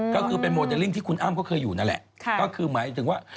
ก็คือเป็นโมเดลลิ่งที่คุณอ้ามเคยอยู่นั่นแหละ